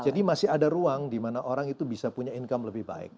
jadi masih ada ruang dimana orang itu bisa punya income lebih baik